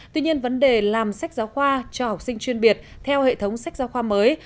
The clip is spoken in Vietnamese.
tuy nhiên vấn đề làm sách giáo khoa cho học sinh chuyên biệt theo hệ thống sách giáo khoa mới